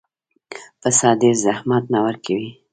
پسه ډېر زحمت نه ورکوي.